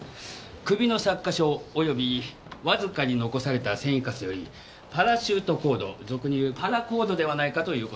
首の擦過傷およびわずかに残された繊維カスよりパラシュートコード俗に言うパラコードではないかという事です。